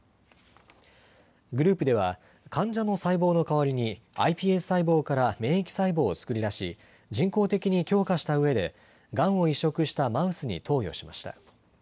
グループでは患者の細胞の代わりにｉＰＳ細胞から免疫細胞を作り出し人工的に強化したうえでがんを移植したマウスに投与しました。